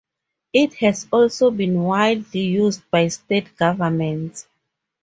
It has also been widely used by state governments.